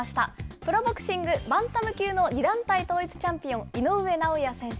プロボクシング、バンタム級の２団体統一チャンピオン、井上尚弥選手。